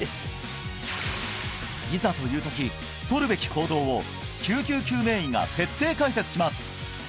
いざという時取るべき行動を救急救命医が徹底解説します